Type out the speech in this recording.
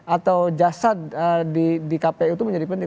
atau jasad di kpu itu menjadi penting